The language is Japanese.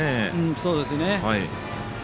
そうですね。